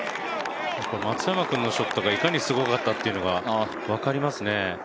松山君のショットがいかにすごかったかが分かりますね。